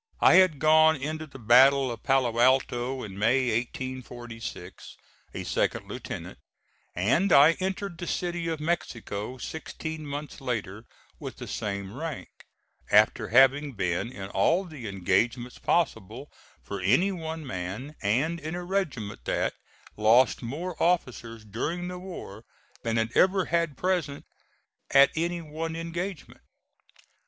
(*4) I had gone into the battle of Palo Alto in May, 1846, a second lieutenant, and I entered the city of Mexico sixteen months later with the same rank, after having been in all the engagements possible for any one man and in a regiment that lost more officers during the war than it ever had present at any one engagement.